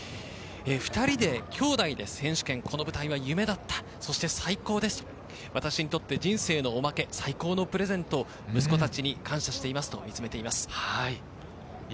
２人で兄弟で選手権、この舞台は夢だった、そして最高ですと、私にとって人生のおまけ、最高のプレゼントを息子たちに感謝していますと見つめています。